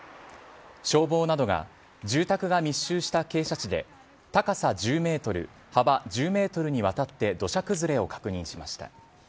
消防などが、住宅が密集した傾斜地で、高さ１０メートル、幅１０メートルにわたって土砂崩れを確認しました。